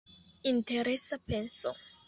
Interesa penso.